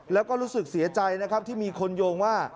แล้วก็รู้สึกเสียใจนะครับที่มีคนโยงว่า